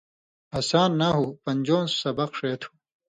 ہسان نحوۡ پنژؤں سبق ݜے تُھو